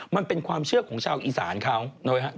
๑มันเป็นความเชื่อของชาวอีสานเขาโดยเฉพาะ